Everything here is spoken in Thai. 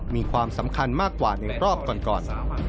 มีความสำคัญมากกว่าในรอบก่อน